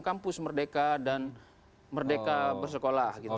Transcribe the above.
kamus merdeka dan merdeka bersekolah gitu